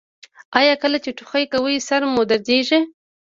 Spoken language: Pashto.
ایا کله چې ټوخی کوئ سر مو دردیږي؟